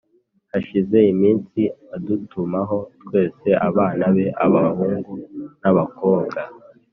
Hashize iminsi adutumaho twese abana be, abahungu n’abakobwa,